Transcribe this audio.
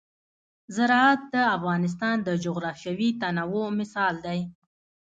زراعت د افغانستان د جغرافیوي تنوع مثال دی.